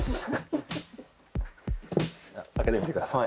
開けてみてください